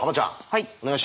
はい。